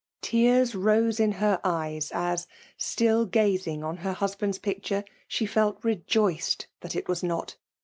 Tears rose in h«r eyes, as, still gazing upon her husband's pic ture^ she felt rejoiced that it was not.